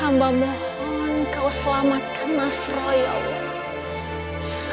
sambal mohon kau selamatkan mas roy ya allah